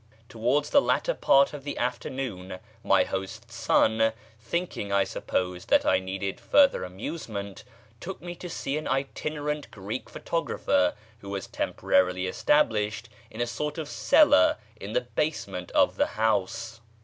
Towards the latter part of the afternoon my host's son, thinking, I suppose, that I needed further amusement, took me to see an itinerant Greek photographer who was temporarily established in a sort of cellar in the basement of the house.